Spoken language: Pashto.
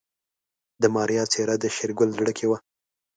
د ماريا څېره د شېرګل زړه کې وه.